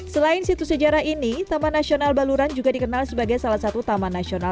selain situs sejarah ini taman nasional baluran juga dikenal sebagai salah satu tempat yang terkenal